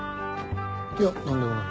いや何でもない。